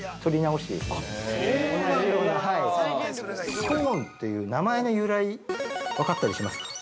◆スコーンという名前の由来、分かったりしますか。